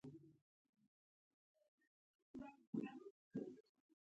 د دې ځای په لیدو مې داسې احساس وکړ.